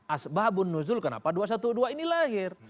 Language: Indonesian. asbahabun nuzul kenapa dua ratus dua belas ini lahir